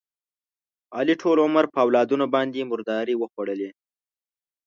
علي ټول عمر په اولادونو باندې مردارې وخوړلې.